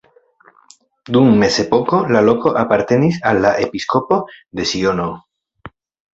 Dum mezepoko la loko apartenis al la episkopo de Siono.